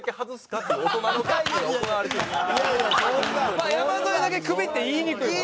まあ山添だけクビって言いにくいもんな。